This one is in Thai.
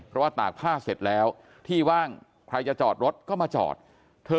เพราะว่าตากผ้าเสร็จแล้วที่ว่างใครจะจอดรถก็มาจอดเธอ